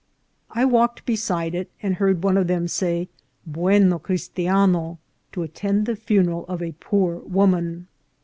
I walked beside it, and heard one of them say, " bueno Christiano, to attend the funeral of a poor woman."